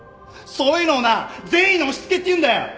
そういうのをな善意の押し付けっていうんだよ！